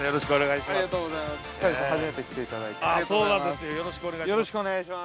◆よろしくお願いします。